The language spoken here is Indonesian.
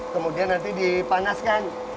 kemudian nanti dipanaskan